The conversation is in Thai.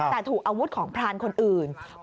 แต่ถูกอาวุธของพรานคนอื่น